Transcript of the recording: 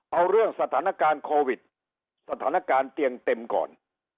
เอาเรื่องสถานการณ์โควิดสถานการณ์เตียงเต็มก่อน